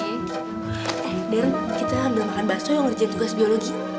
eh darren kita ambil makan bakso yang harus jadi tugas biologi